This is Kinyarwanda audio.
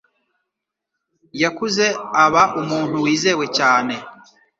Yakuze aba umuntu wizewe cyane.